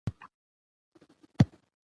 دریم اصل : عدالت او مساواتو اصل